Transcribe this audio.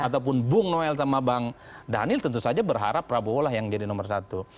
ataupun bung noel sama bang daniel tentu saja berharap prabowo lah yang jadi nomor satu